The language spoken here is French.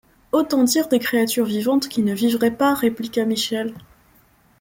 Autant dire des créatures vivantes qui ne vivraient pas, répliqua Michel.